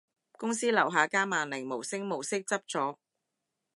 公司樓下間萬寧無聲無息執咗